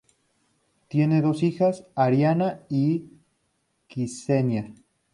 Tienen dos hijas, Arina y Ksenia.